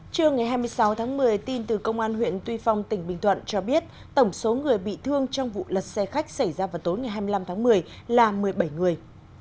trưa ngày hai mươi sáu tháng một mươi tin từ công an huyện tuy phong tỉnh bình thuận cho biết tổng số người bị thương trong vụ lật xe khách xảy ra vào tối ngày hai mươi năm tháng một mươi là một mươi bảy người